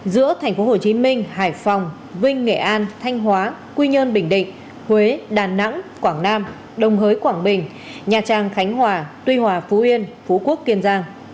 giữa tp hcm hải phòng vinh nghệ an thanh hóa quy nhơn bình định huế đà nẵng quảng nam đồng hới quảng bình nha trang khánh hòa tuy hòa phú yên phú quốc kiên giang